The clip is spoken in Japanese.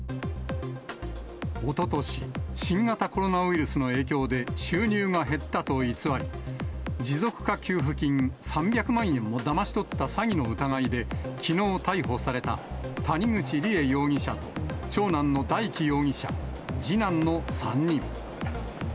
おととし、新型コロナウイルスの影響で、収入が減ったと偽り、持続化給付金３００万円をだまし取った詐欺の疑いで、きのう逮捕された、谷口梨恵容疑者と長男の大祈容疑者、次男の３人。